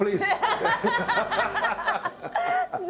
ハハハハ！